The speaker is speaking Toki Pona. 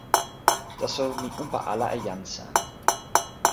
taso mi unpa ala e jan San.